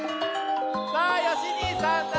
あよしにいさんだ。